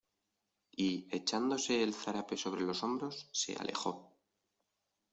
y echándose el zarape sobre los hombros, se alejó.